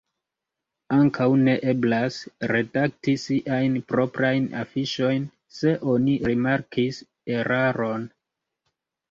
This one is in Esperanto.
Ankaŭ ne eblas redakti siajn proprajn afiŝojn, se oni rimarkis eraron.